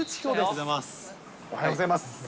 おはようございます。